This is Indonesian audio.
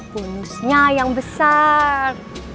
bonusnya yang besar